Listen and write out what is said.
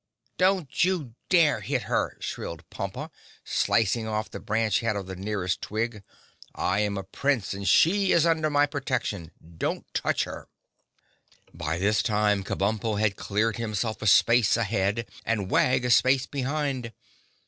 "Don't you dare hit her!" shrilled Pompa, slicing off the branch head of the nearest Twig. "I am a Prince and she is under my protection. Don't touch her!" By this time Kabumpo had cleared himself a space ahead and Wag a space behind.